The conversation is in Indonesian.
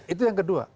itu yang kedua